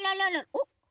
おっ。